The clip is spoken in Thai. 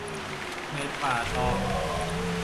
ในป่าตอง